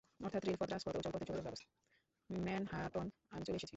Manhattan, আমি চলে এসেছি।